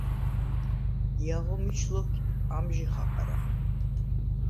ჲაღო მიჩ ლოქ ამჟი ხაყრა: